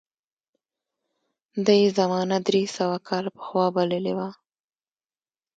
ده یې زمانه درې سوه کاله پخوا بللې وه.